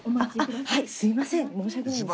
はいすいません申し訳ないです。